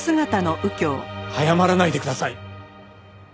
早まらないでください！